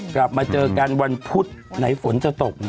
กลับมาเจอกันวันพุธไหนฝนจะตก